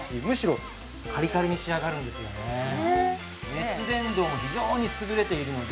熱伝導も非常に優れているので。